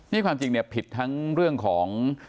นี่ความจริงเนี่ยผิดทั้งเรื่องของ